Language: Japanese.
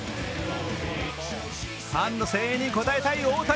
ファンの声援に応えたい大谷。